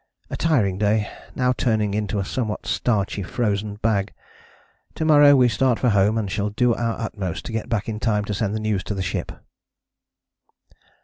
A tiring day: now turning into a somewhat starchy frozen bag. To morrow we start for home and shall do our utmost to get back in time to send the news to the ship."